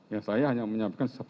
ya saya hanya menyampaikan secara umum